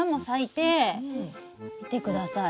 見てください